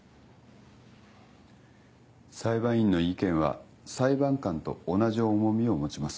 裁判員の意見は裁判官と同じ重みを持ちます。